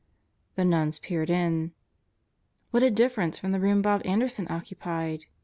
The nuns peered in. What a difference from the room Bob Anderson occupied